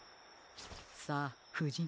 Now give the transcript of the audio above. さあふじん。